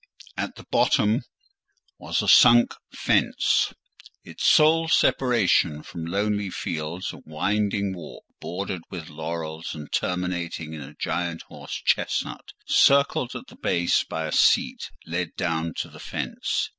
At the bottom was a sunk fence; its sole separation from lonely fields: a winding walk, bordered with laurels and terminating in a giant horse chestnut, circled at the base by a seat, led down to the fence.